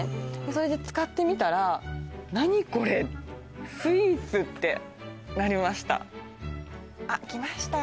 それで使ってみたら「何これ」「スイーツ」ってなりましたあっ来ました